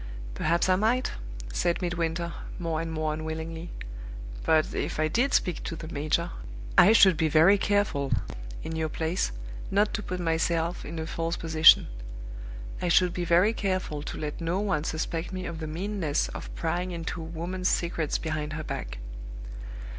"Perhaps I might," said Midwinter, more and more unwillingly. "But if I did speak to the major, I should be very careful, in your place, not to put myself in a false position. I should be very careful to let no one suspect me of the meanness of prying into a woman's secrets behind her back."